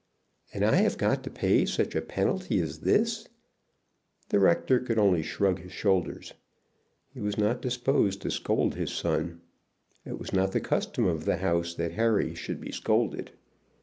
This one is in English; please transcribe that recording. "And I have got to pay such a penalty as this?" The rector could only shrug his shoulders. He was not disposed to scold his son. It was not the custom of the house that Harry should be scolded.